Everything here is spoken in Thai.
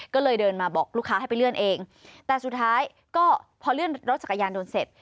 ก็เลยเดินมาบอกลูกค้าให้ไปเลื่อนเองแต่สุดท้ายก็พอเลื่อนรถจักรยานยนต์เสร็จ